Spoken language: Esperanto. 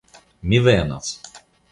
Mi venos!